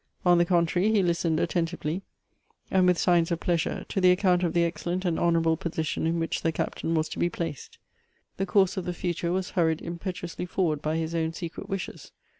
On the contrary, he listened attentively, and with signs of j)leasure, to the account of the excellent and honorable position in which the Capt.iin was to be placed. The course of the future was hurried impetuously forward by his own secret wishes.